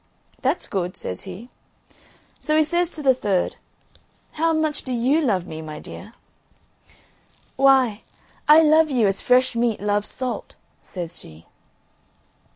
"That's good," says he. So he says to the third, "How much do you love me, my dear?" "Why, I love you as fresh meat loves salt," says she.